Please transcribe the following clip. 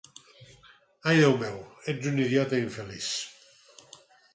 Ai, Déu meu, ets un idiota infeliç!